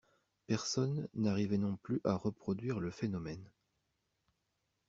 Personne n’arrivait non plus à reproduire le phénomène.